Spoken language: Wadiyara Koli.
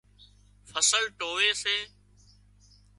فصل ٽووي سي